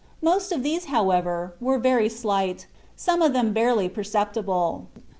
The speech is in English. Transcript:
Most of these, however, were very slight, some of them barely perceptible.